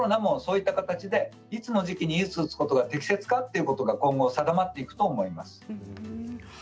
コロナもそういった形でいつの時期にいつ打つのが適切かということが今後定まっていくと思います。